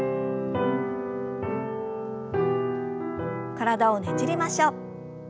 体をねじりましょう。